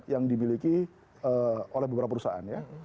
yang dimiliki oleh beberapa perusahaan ya